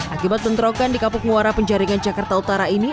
akibat bentrokan di kapuk muara penjaringan jakarta utara ini